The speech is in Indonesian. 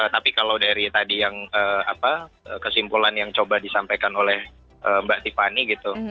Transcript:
tapi kalau dari tadi yang kesimpulan yang coba disampaikan oleh mbak tiffany gitu